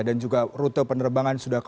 dan juga rute penerbangan sudah konflik